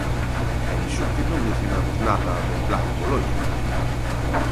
E iso que non mencionamos nada do Plan Boloña.